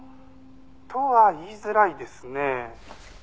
「とは言いづらいですね」